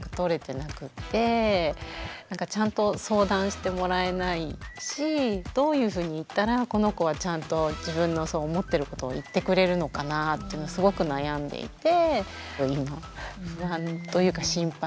なんかちゃんと相談してもらえないしどういうふうに言ったらこの子はちゃんと自分の思ってることを言ってくれるのかなというのはすごく悩んでいて今不安というか心配で。